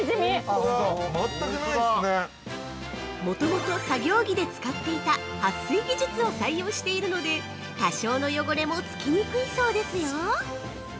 ◆もともと作業着で使っていたはっ水技術を採用しているので多少の汚れもつきにくいそうですよ！